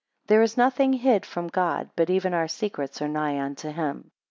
22 There is nothing hid from God, but even our secrets are nigh unto him.